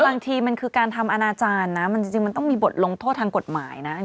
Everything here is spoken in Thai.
บางทีมันคือการทำอนาจารย์นะมันจริงมันต้องมีบทลงโทษทางกฎหมายนะ